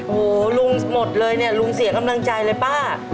โอ้โหลุงหมดเลยเนี่ยลุงเสียกำลังใจเลยป้า